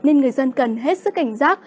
nên người dân cần hết sức cảnh giác